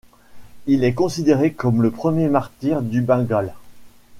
Il est considéré comme le premier martyr du Bengale.